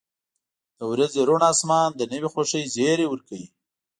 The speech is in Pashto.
• د ورځې روڼ آسمان د نوې خوښۍ زیری ورکوي.